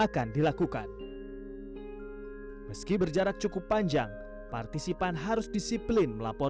kalau lagi perang kalau dulu